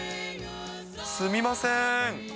すみません。